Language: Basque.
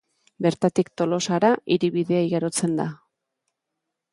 Bertatik Tolosa hiribidea igarotzen da.